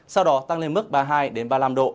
sau đó tăng lên mức ba mươi hai ba mươi năm độ